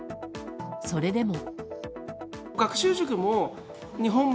それでも。